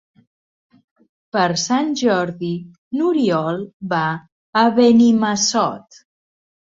Per Sant Jordi n'Oriol va a Benimassot.